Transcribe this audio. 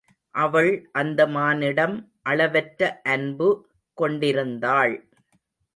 அவள் அந்த மானிடம் அளவற்ற அன்பு கொண்டிருந்தாள்.